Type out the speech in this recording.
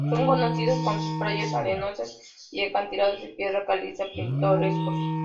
Son conocidas por sus playas arenosas y acantilados de piedra caliza pintorescos.